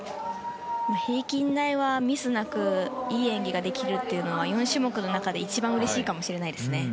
平均台はミスなくいい演技ができるというのは４種目の中で一番うれしいかもしれませんね。